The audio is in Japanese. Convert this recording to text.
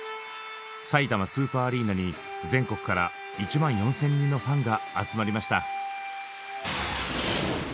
さいたまスーパーアリーナに全国から１万４，０００人のファンが集まりました。